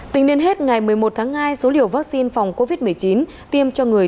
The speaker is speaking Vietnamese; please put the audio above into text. tính đến hết ngày một mươi một tháng hai số liều vaccine phòng covid một mươi chín tiêm cho người